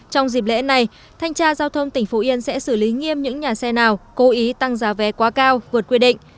trong dịp lễ này thanh tra giao thông tỉnh phú yên sẽ xử lý nghiêm những nhà xe nào cố ý tăng giá vé quá cao vượt quy định